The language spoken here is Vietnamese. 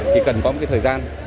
thì cần có một thời gian